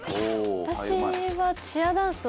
私は。